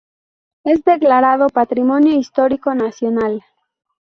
Es declarado patrimonio histórico nacional.